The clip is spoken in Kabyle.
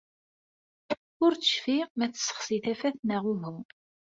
Ur tecfi ma tessexsi tafat neɣ uhu.